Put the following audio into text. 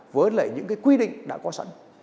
với lại những cái quy định đã có sẵn